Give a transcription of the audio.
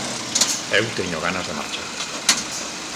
Eu teño ganas de marchar.